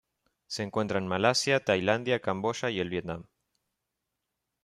Se encuentra en Malasia Tailandia Camboya y el Vietnam.